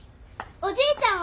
おじいちゃんは？